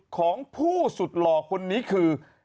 ของผู้สุดหล่อคนนี้คือ